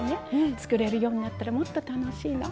作れるようになったらもっと楽しいの。